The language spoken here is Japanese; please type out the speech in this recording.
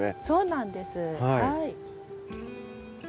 そうなんですはい。